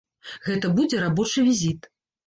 Гэта будзе рабочы візіт.